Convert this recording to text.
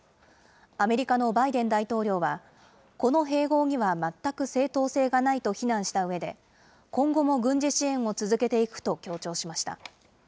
アメリカのバイデン大統領は、この併合には全く正当性がないと非難したうえで、今後も軍事支援を続けていくと強調しました。